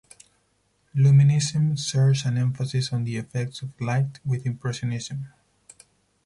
Luminism shares an emphasis on the effects of light with impressionism.